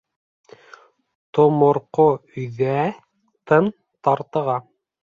Томорҡо өйҙә тын тарыға.